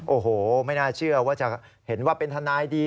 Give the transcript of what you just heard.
โอ้โหไม่น่าเชื่อว่าจะเห็นว่าเป็นทนายดี